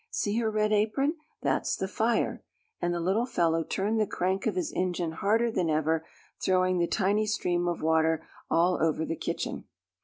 See her red apron that's the fire!" and the little fellow turned the crank of his engine harder than ever, throwing the tiny stream of water all over the kitchen.